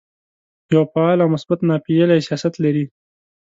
یو فعال او مثبت ناپېیلی سیاست لري.